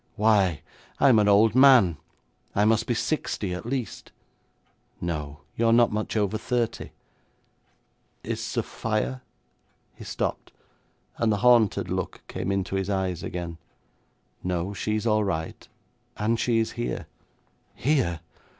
Why, I'm an old man. I must be sixty at least.' 'No; you're not much over thirty.' 'Is Sophia ' He stopped, and the haunted look came into his eyes again. 'No. She is all right, and she is here.' 'Here?'